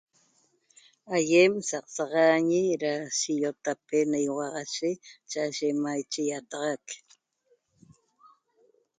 Aiem saq saxañi ra siotape na iuaxaye cha'aye maiche iataxac